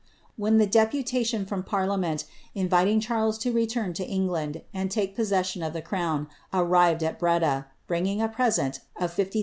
* en the deputation from the parliament, inviting Charles to return ^land and take possession of the crown, arrived at Breda, bringing ent of 50,000Z.